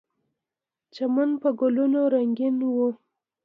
چمن په ګلونو رنګین و.